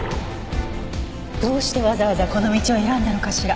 どうしてわざわざこの道を選んだのかしら。